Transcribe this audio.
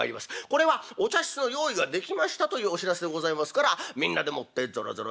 これはお茶室の用意ができましたというお知らせでございますからみんなでもってぞろ